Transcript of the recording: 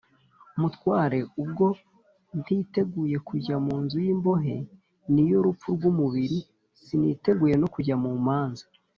mutware, ubwo ntiteguye kujya mu nzu y’imbohe (niyo rupfu rw’umubiri), siniteguye no kujya mu manza